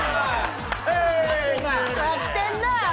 やってんな⁉